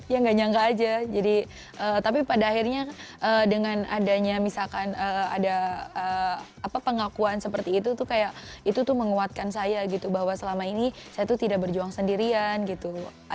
ya nggak nyangga aja tapi pada akhirnya dengan adanya misalkan ada pengakuan seperti itu tuh kayak itu tuh menguatkan saya gitu bahwa selama ini saya tuh tidak berjuang sendirian gitu